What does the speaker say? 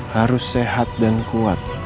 harus sehat dan kuat